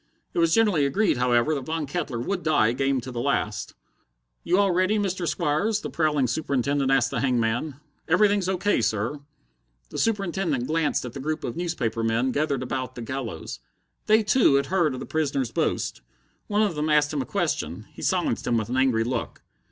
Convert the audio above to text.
It was generally agreed, however, that Von Kettler would die game to the last. "You all ready, Mr. Squires?" the prowling Superintendent asked the hangman. "Everything's O. K., sir." The Superintendent glanced at the group of newspaper men gathered about the gallows. They, too, had heard of the prisoner's boast. One of them asked him a question. He silenced him with an angry look.